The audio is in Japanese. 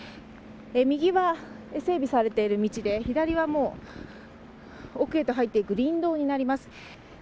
右は整備されている道で、左は奥へと入っていく林道になります。